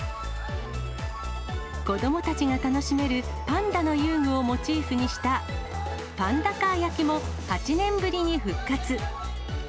子どもたちが楽しめるパンダの遊具をモチーフにした、パンダカー焼きも８年ぶりに復活。